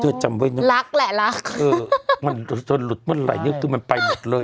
เจอจะจำไว้ว่าคือมันลุดเวลาไหร่งี้มันไปหมดเลยอ่ะเนี่ย